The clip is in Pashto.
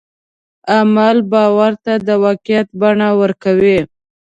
عمل باور ته د واقعیت بڼه ورکوي.